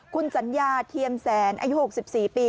คุณสัญญาเทียมแสนอายุ๖๔ปี